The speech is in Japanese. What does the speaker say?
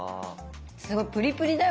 すごいプリプリだよ。